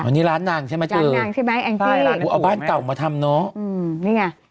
อันนี้ร้านนางใช่ไหมร้านนางใช่ไหมใช่เอาบ้านเก่ามาทำเนอะอืมนี่ไง